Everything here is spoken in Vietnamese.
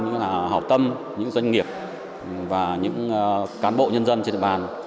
cùng với các nhà hào tâm các nhà hào tâm các nhà doanh nghiệp và những cán bộ nhân dân trên đại bàn